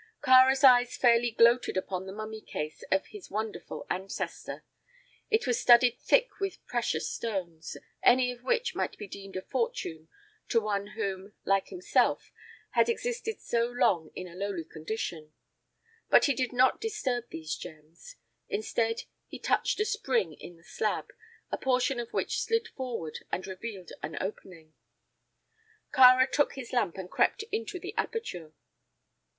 Kāra's eyes fairly gloated upon the mummy case of his wonderful ancestor. It was studded thick with precious stones, any of which might be deemed a fortune to one who, like himself, had existed so long in a lowly condition. But he did not disturb these gems. Instead, he touched a spring in the slab, a portion of which slid forward and revealed an opening. Kāra took his lamp and crept into the aperture.